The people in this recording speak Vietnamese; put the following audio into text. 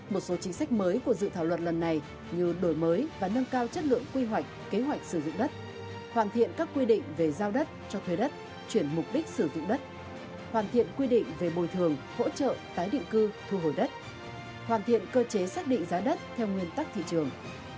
một số chính sách mới của dự thảo luật lần này như đổi mới và nâng cao chất lượng quy hoạch kế hoạch sử dụng đất hoàn thiện các quy định về giao đất cho thuê đất chuyển mục đích sử dụng đất hoàn thiện quy định về bồi thường hỗ trợ tái định cư thu hồi đất hoàn thiện cơ chế xác định giá đất theo nguyên tắc thị trường